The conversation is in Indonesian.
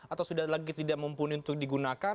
atau sudah lagi tidak mumpuni untuk digunakan